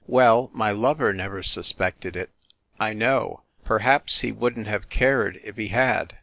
Well, my lover never suspected it, I know. Perhaps he wouldn t have cared if he had.